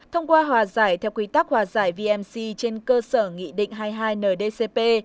thông qua hòa giải theo quy tắc hòa giải vnc trên cơ sở nghị định hai mươi hai ndcp